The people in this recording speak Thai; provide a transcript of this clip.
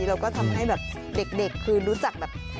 แล้วก็ทำให้เด็กรู้จักแบบ